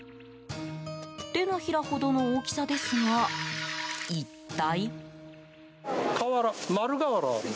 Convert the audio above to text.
手のひらほどの大きさですが一体？